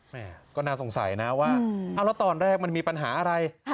แม่ก็น่าสงสัยนะว่าแล้วตอนแรกมันมีปัญหาอะไร